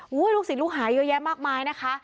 โอ้โหลลูกศิลป์หายเยอะแค่เยอะมากมายนะคะ